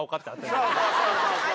そうそうそうそう！